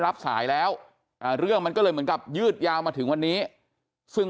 รับสายแล้วเรื่องมันก็เลยเหมือนกับยืดยาวมาถึงวันนี้ซึ่ง